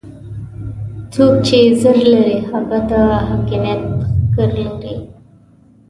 څوک چې زر لري هغه د حاکميت ښکر لري.